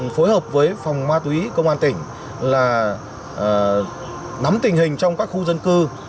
phối hợp với phòng ma túy công an tỉnh là nắm tình hình trong các khu dân cư